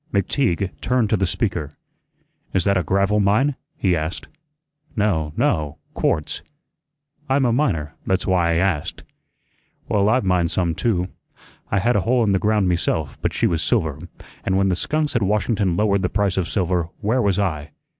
McTeague turned to the speaker. "Is that a gravel mine?" he asked. "No, no, quartz." "I'm a miner; that's why I asked." "Well I've mined some too. I had a hole in the ground meself, but she was silver; and when the skunks at Washington lowered the price of silver, where was I?